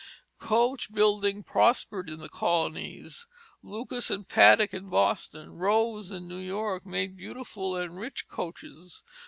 Coach building prospered in the colonies; Lucas and Paddock in Boston, Ross in New York, made beautiful and rich coaches.